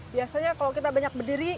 biasanya kalau kita banyak berdiri